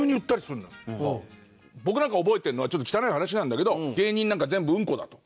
僕なんか覚えてるのはちょっと汚い話なんだけど芸人なんか全部ウンコだと。